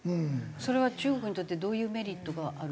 それは中国にとってどういうメリットがあると？